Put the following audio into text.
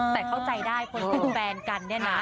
แต่เข้าใจได้พวกคุณแบรนด์กันเนี่ยนะ